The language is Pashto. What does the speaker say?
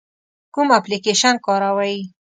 کوم اپلیکیشن کاروئ؟